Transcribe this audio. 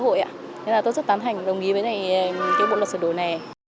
thế là tôi rất tán hành đồng ý với bộ luật sửa đổi này